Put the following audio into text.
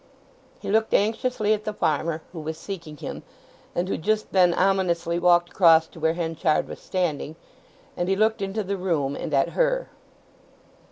He looked anxiously at the farmer who was seeking him and who just then ominously walked across to where Henchard was standing, and he looked into the room and at her.